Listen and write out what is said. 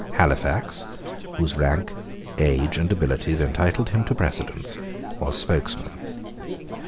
Halifax, whose rank, age, and abilities entitled him to precedence, was spokesman.